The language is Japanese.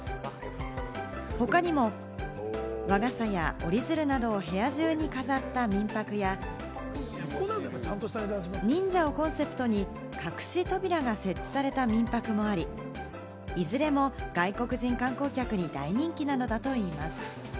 他にも和傘や折り鶴などを部屋中に飾った民泊や、忍者をコンセプトに隠し扉が設置された民泊もあり、いずれも外国人観光客に大人気なのだといいます。